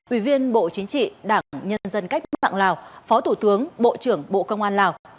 ủy viên bộ chính trị đảng nhân dân cách mạng lào phó thủ tướng bộ trưởng bộ công an lào